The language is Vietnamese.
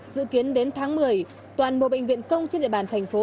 dự kiến đến tháng một mươi toàn bộ bệnh viện công trên địa bàn thành phố